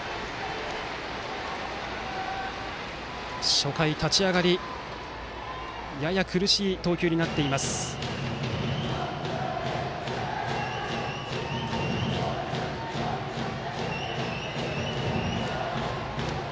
初回、立ち上がりやや苦しい投球になっている井川。